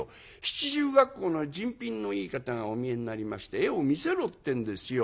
七十恰好の人品のいい方がお見えになりまして絵を見せろってんですよ。